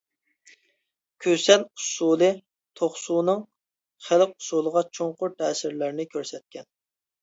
كۈسەن ئۇسسۇلى توقسۇنىڭ خەلق ئۇسۇلىغا چوڭقۇر تەسىرلەرنى كۆرسەتكەن.